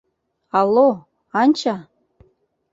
Алло, Анча!